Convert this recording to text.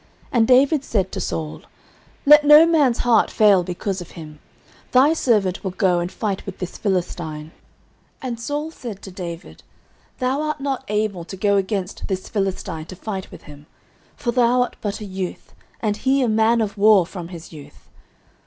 09:017:032 And David said to Saul, Let no man's heart fail because of him; thy servant will go and fight with this Philistine. 09:017:033 And Saul said to David, Thou art not able to go against this Philistine to fight with him: for thou art but a youth, and he a man of war from his youth.